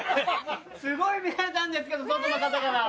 すごい見られたんですけど外の方から。